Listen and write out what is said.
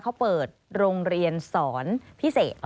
เขาเปิดโรงเรียนสอนพิเศษ